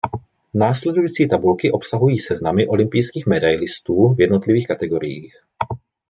Následující tabulky obsahují seznamy olympijských medailistů v jednotlivých kategoriích.